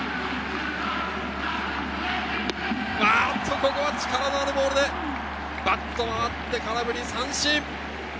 ここは力のあるボールで、バット回って、空振り三振。